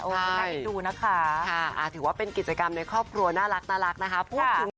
น่าเอ็นดูนะคะถือว่าเป็นกิจกรรมในครอบครัวน่ารักนะคะ